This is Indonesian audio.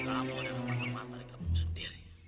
kamu ada dalam mata matahari kamu sendiri